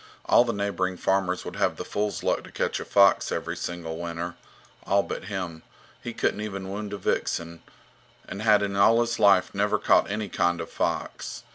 All the neighbouring farmers would have the fool's luck to catch a fox every single winter. All but him. He couldn't even wound a vixen, and had in all his life never caught any kind of fox.